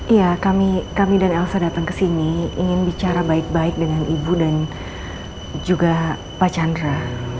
iya kami dan elsa datang ke sini ingin bicara baik baik dengan ibu dan juga pak chandra